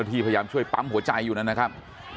ที่พยายามช่วยปั๊มหัวใจอยู่นั่นนะครับ